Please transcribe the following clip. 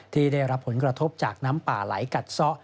ที่ได้รับผลกระทบจากน้ำป่าไหลกัดซะ